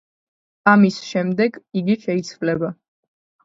ამის შემდეგ იგი შეიცვლება.